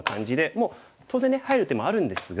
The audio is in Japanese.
もう当然ね入る手もあるんですが。